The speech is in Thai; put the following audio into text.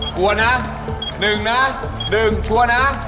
ชัวร์นะ๑นะ๑ชัวร์นะ